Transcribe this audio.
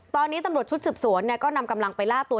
ตอนนี้ตำรวจชุดสืบสวนก็นำกำลังไปล่าตัว